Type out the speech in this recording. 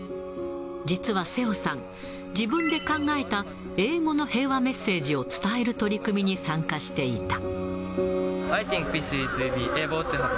実は瀬尾さん、自分で考えた英語の平和メッセージを伝える取り組みに参加していた。